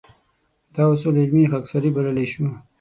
دا اصول علمي خاکساري بللی شو.